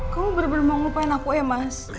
kamu benar benar mau ngupain aku ya mas